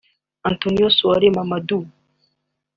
Antonio Souare Mamadou